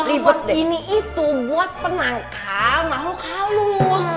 ribut ini itu buat penangkal makhluk halus